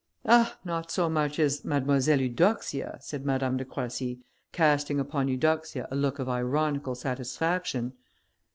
"Ah! not so much so as Mademoiselle Eudoxia," said Madame de Croissy, casting upon Eudoxia a look of ironical satisfaction.